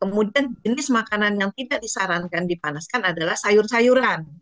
kemudian jenis makanan yang tidak disarankan dipanaskan adalah sayur sayuran